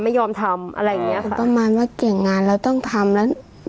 ไม่ยอมทำอะไรอย่างเงี้ยคือประมาณว่าเก่งงานแล้วต้องทำแล้ว